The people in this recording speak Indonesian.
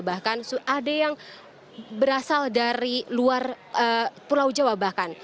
bahkan ada yang berasal dari luar pulau jawa bahkan